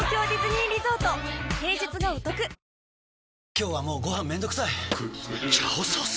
今日はもうご飯めんどくさい「炒ソース」！？